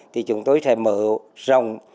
thì chúng tôi sẽ mở rộng